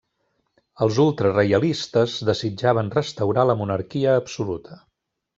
Els ultrareialistes desitjaven restaurar la monarquia absoluta.